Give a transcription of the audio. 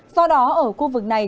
do đó ở khu vực này